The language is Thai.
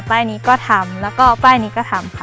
ป้ายนี้ก็ทำแล้วก็ป้ายนี้ก็ทำค่ะ